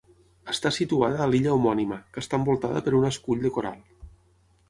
Està situada a l'illa homònima, que està envoltada per un escull de coral.